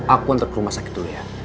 aku untuk ke rumah sakit dulu ya